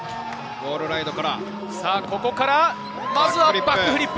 ウォールライドからまずはバックフリップ。